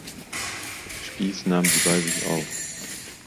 Spies nahm sie bei sich auf.